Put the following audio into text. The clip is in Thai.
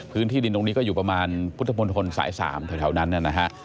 พื้นที่ดินตรงนี้ก็อยู่ประมาณพุทธพลธนศาสตร์๓ถ้าเท่านั้น